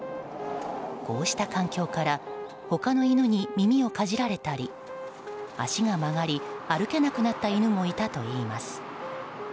こうした環境から他の犬に耳をかじられたり足が曲がり、歩けなくなった犬もいたといいます。